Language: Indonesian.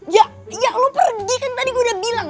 ya lo pergi kan tadi gue udah bilang